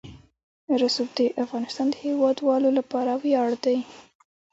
رسوب د افغانستان د هیوادوالو لپاره ویاړ دی.